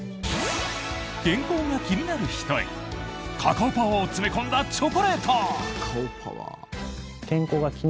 健康が気になる人へカカオパワーを詰め込んだチョコレート。